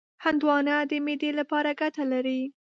هندوانه د معدې لپاره ګټه لري.